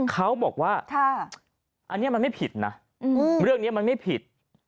เขาบอกว่าอันนี้มันไม่ผิดนะเรื่องนี้มันไม่ผิด